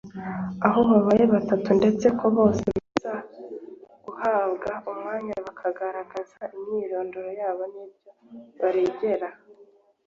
aho babaye batandatu, ndetse ko bose baza guhabwa umwanya bakagaragaza imyirondoro yabo n’ibyo baregera.